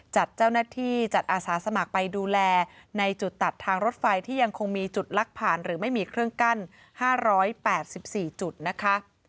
จัดเจ้าหน้าที่จัดอาสาสมัครไปดูแลในจุดตัดทางรถไฟที่ยังคงมีจุดลักผ่านหรือไม่มีเครื่องกั้น๕๘๔จุดนะคะ